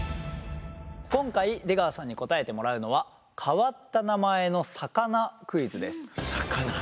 今回出川さんに答えてもらうのは変わった名前の魚クイズです。